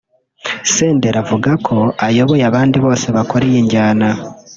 Senderi nawe akavuga ko ayoboye abandi bose bakora iyi njyana